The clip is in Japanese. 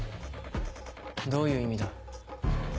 どういう意味だ。